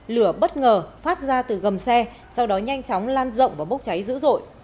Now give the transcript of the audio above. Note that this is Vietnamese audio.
lửa bất ngờ phát ra từ gầm xe sau đó nhanh chóng lan rộng và bốc cháy dữ dội